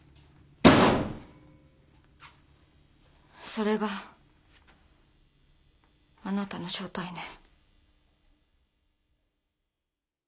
それがあなたの正体ね。